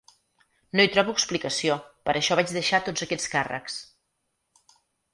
No hi trobo explicació, per això vaig deixar tots aquests càrrecs.